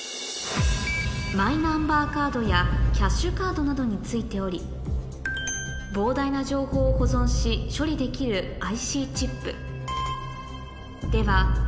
マイナンバーカードやキャッシュカードなどに付いており膨大な情報を保存し処理できるえ。